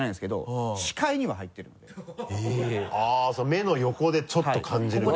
目の横でちょっと感じるんだ。